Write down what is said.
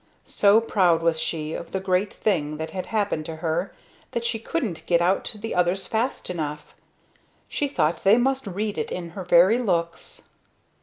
So proud was she of the great thing that had happened to her that she couldn't get out to the others fast enough; she thought they must read it in her very looks.